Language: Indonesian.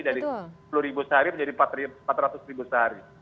dari sepuluh ribu sehari menjadi empat ratus ribu sehari